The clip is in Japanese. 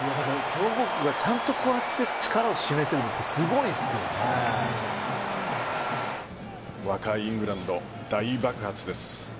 強豪国がちゃんとこうやって力を示せるのって若いイングランド大爆発です。